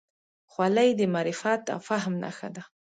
خولۍ د معرفت او فهم نښه ده.